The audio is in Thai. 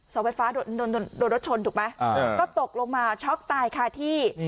เสาไฟฟ้าโดนรถชนถูกไหมก็ตกลงมาช็อกตายคาที่